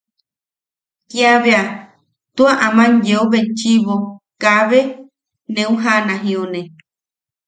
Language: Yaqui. Kiabea tua aman yeo betchiʼibo kaabe neu jana jiune.